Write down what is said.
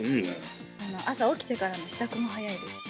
朝起きてからの支度も早いですし。